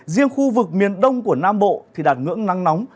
riêng khu vực miền đông của nam bộ thì đạt ngưỡng nắng nóng